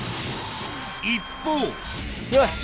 一方よし！